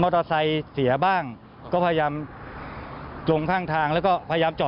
สวัสดีครับ